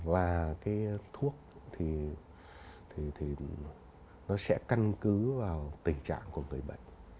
và cái thuốc thì nó sẽ căn cứ vào tình trạng của người bệnh